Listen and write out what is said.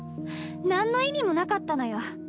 なんの意味もなかったのよ。